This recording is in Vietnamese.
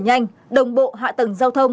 nhanh đồng bộ hạ tầng giao thông